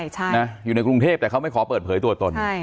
ใช่นะอยู่ในกรุงเทพแต่เขาไม่ขอเปิดเผยตัวตน